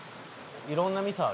いろんな味噌ある。